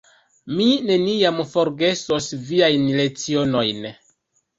Mi neniam forgesos viajn lecionojn.